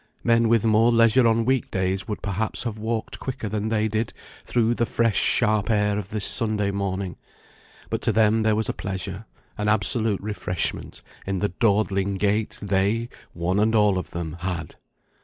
Men with more leisure on week days would perhaps have walked quicker than they did through the fresh sharp air of this Sunday morning; but to them there was a pleasure, an absolute refreshment in the dawdling gait they, one and all of them, had.